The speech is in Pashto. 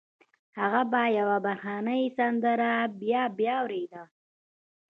هغه به يوه بهرنۍ سندره بيا بيا اورېده.